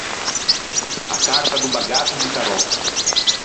A carta do bagatto di taròcchi.